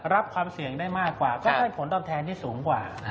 รับความเสี่ยงได้มากกว่าก็ได้ผลตอบแทนที่สูงกว่า